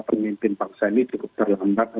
pemimpin bangsa ini cukup terlambat